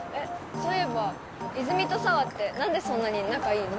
そういえば泉と紗羽って何でそんなに仲いいの？